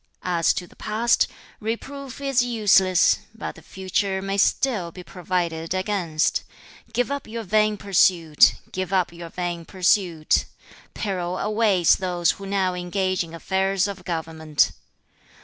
As to the past, reproof is useless; but the future may still be provided against. Give up your vain pursuit. Give up your vain pursuit. Peril awaits those who now engage in affairs of government.'